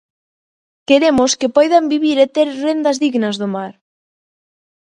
Queremos que poidan vivir e ter rendas dignas do mar.